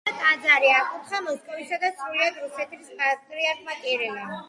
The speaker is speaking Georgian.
აღდგენილი ტაძარი აკურთხა მოსკოვისა და სრულიად რუსეთის პატრიარქმა კირილემ.